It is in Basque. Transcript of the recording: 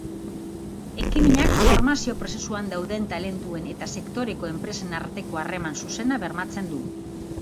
Ekimenak formazio prozesuan dauden talentuen eta sektoreko enpresen arteko harreman zuzena bermatzen du.